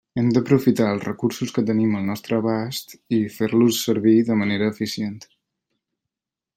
Hem d'aprofitar els recursos que tenim al nostre abast, i fer-los servir de manera eficient.